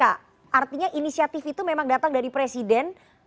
artinya inisiatif itu memang datang dari presiden